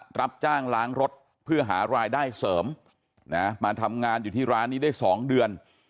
รับจ้างล้างรถเพื่อหารายได้เสริมนะมาทำงานอยู่ที่ร้านนี้ได้๒เดือน